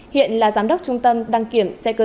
hiện là giám đốc trung tâm đăng kiểm xe cơ giới